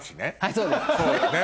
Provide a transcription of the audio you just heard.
そうよね。